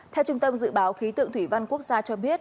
theo trung tâm dự báo khí tượng thủy văn quốc gia cho biết